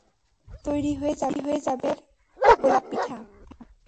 ব্যাস তৈরি হয়ে যাবে তালের গোলাপ পিঠা।